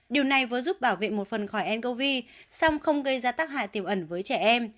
điều này vừa giúp bảo vệ một phần khỏi ncov song không gây ra tác hại tiềm ẩn với trẻ em